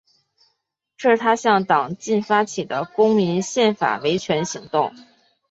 这是他向党禁发起的公民宪法维权行动。